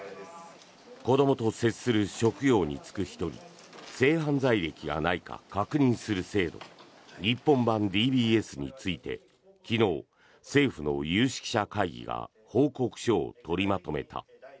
子どもと接する職業に就く人に性犯罪歴がないか確認する制度日本版ＤＢＳについて昨日、政府の有識者会議が報告書を取りまとめた。